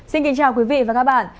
xin kính chào quý vị và các bạn